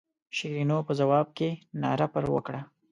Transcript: شیرینو په ځواب کې ناره پر وکړه.